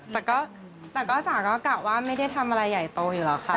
แต่ก็จ๋าก็กะว่าไม่ได้ทำอะไรใหญ่โตอยู่แล้วค่ะ